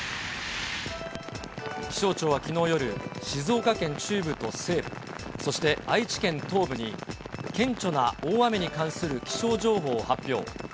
気象庁はきのう夜、静岡県中部と西部、そして愛知県東部に、顕著な大雨に関する気象情報を発表。